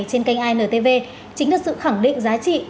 các bản tin hàng ngày trên kênh intv chính là sự khẳng định giá trị